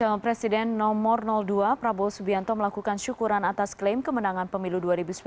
dengan presiden nomor dua prabowo subianto melakukan syukuran atas klaim kemenangan pemilu dua ribu sembilan belas